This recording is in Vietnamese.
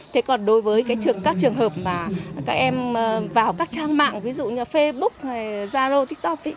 thế còn đối với các trường hợp mà các em vào các trang mạng ví dụ như là facebook zalo tiktok